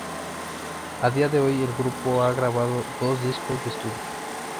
A día de hoy el grupo ha grabado dos discos de estudio.